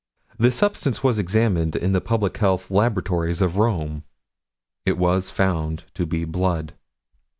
This substance was examined in the public health laboratories of Rome. It was found to be blood.